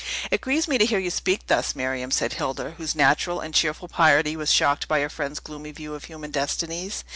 "It grieves me to hear you speak thus, Miriam," said Hilda, whose natural and cheerful piety was shocked by her friend's gloomy view of human destinies.